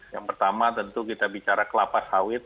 yang pertama tentu kita bicara kelapa sawit